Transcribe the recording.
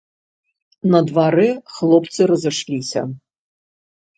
На дварэ хлопцы разышліся.